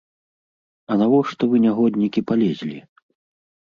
А навошта вы, нягоднікі, палезлі?